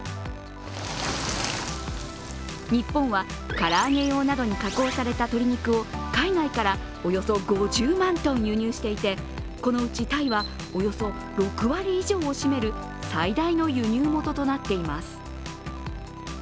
日本は、唐揚げ用などに加工された鶏肉を海外からおよそ５０万トン輸入していてこのうちタイはおよそ６割以上を占める最大の輸入元となっています。